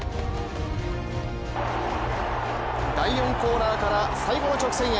第４コーナーから最後の直線へ。